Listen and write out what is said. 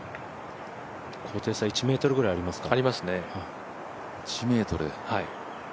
高低差１ｍぐらいありますね。